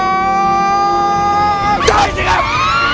ด้วยสิครับ